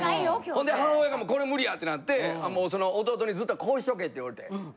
ほんで母親がこれ無理やってなってもうその弟にずっとこうしとけって言うて。